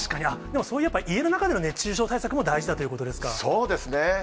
でもそういうやっぱり家の中での熱中症対策も大事だということでそうですね。